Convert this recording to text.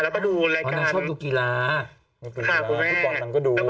แล้วก็ดูรายการอ๋อนางชอบดูกีฬาค่ะคุณแม่ทุกคนนางก็ดู